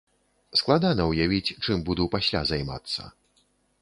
Складана ўявіць, чым буду пасля займацца.